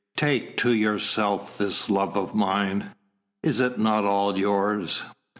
Take to yourself this love of mine is it not all yours?